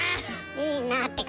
いいなってか。